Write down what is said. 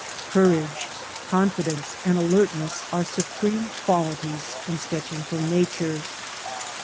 Courage, confidence and alertness are supreme qualities in sketching from Nature.